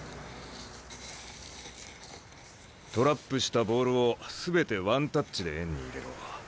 トラップしたボールを全てワンタッチで円に入れろ。